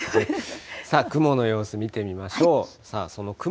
さあ、雲の様子見てみましょう。